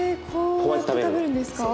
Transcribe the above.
こうやって食べるんですか？